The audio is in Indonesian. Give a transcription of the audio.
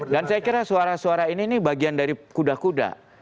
dan saya kira suara suara ini bagian dari kuda kuda